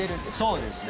そうですね。